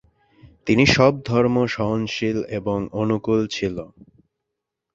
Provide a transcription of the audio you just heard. তিনি সব ধর্ম সহনশীল এবং অনুকূল ছিল।